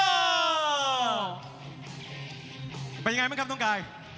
เป็นยังไงมั้ยครับต้องกาย